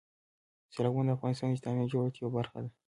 سیلابونه د افغانستان د اجتماعي جوړښت یوه برخه ده.